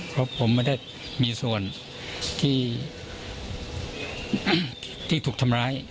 เพราะผมไม่ได้มีส่วนที่ถูกทำร้าย